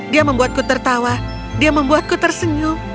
dia membuatku tertawa dia membuatku tersenyum